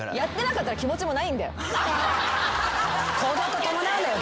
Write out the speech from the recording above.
行動と伴うんだよ